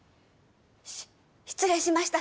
し失礼しました。